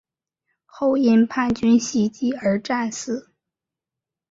后因叛军袭击而战死。